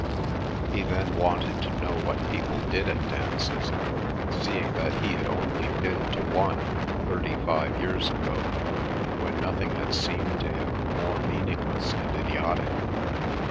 He then wanted to know what people did at dances, seeing that he had only been to one thirty five years ago, when nothing had seemed to him more meaningless and idiotic.